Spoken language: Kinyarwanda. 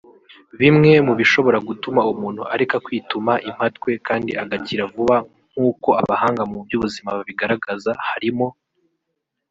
Bimwe mu bishobora gutuma umuntu areka kwituma impatwe kandi agakira vuba nkuko abahanga mu by’ubuzima babigaragaza harimo